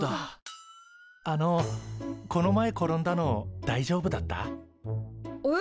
あのこの前転んだのだいじょうぶだった？え？